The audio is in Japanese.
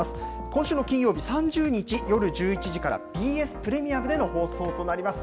今週の金曜日３０日夜１１時から、ＢＳプレミアムでの放送となります。